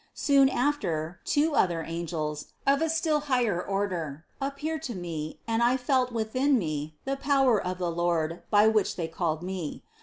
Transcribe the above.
Soon after, two other angels, of a still higher order, appeared to me and I felt within me the power of the Lord by which they called me.